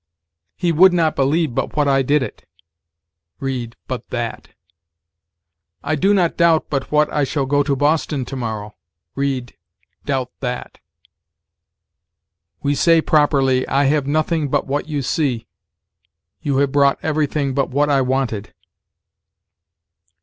"He would not believe but what I did it": read, but that. "I do not doubt but what I shall go to Boston to morrow": read, doubt that. We say properly, "I have nothing but what you see"; "You have brought everything but what I wanted."